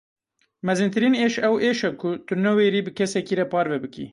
Mezintirîn êş ew êş e ku tu newêrî bi kesekî re parve bikî.